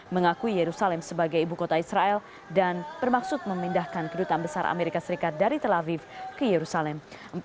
mengakui yerusalem sebagai ibu kota israel dan bermaksud memindahkan kedutaan besar amerika serikat dari tel aviv ke yerusalem